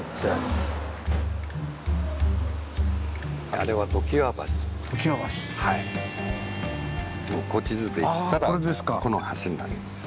あれは古地図でいったらこの橋になります。